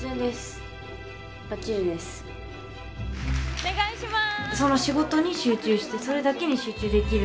お願いします。